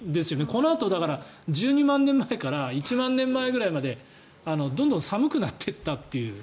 このあと１２万年前から１万年前ぐらいまでどんどん寒くなっていったという。